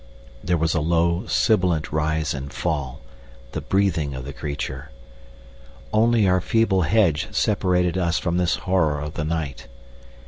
There was a low, sibilant rise and fall the breathing of the creature. Only our feeble hedge separated us from this horror of the night.